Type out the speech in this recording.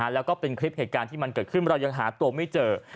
แล้วก็เป็นคลิปเหตุการณ์ที่มันเกิดขึ้นเรายังหาตัวไม่เจอ